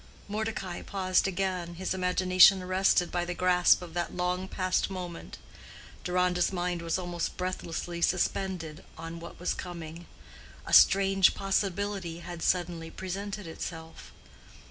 '" Mordecai paused again, his imagination arrested by the grasp of that long passed moment. Deronda's mind was almost breathlessly suspended on what was coming. A strange possibility had suddenly presented itself.